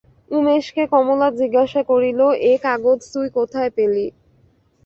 উমেশকে কমলা জিজ্ঞাসা করিল, এ কাগজ তুই কোথায় পেলি?